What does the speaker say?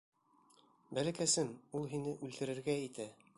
Бәләкәсем, ул һине үлтерергә итә!